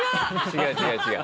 違う違う違う。